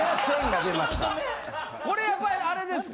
これやっぱりあれですか。